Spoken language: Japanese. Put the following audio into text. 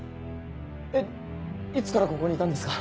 えっいつからここにいたんですか？